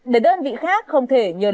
để đơn vị khác không thể nhờ luật